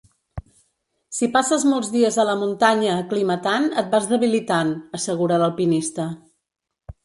Si passes molts dies a la muntanya aclimatant et vas debilitant, assegura l’alpinista.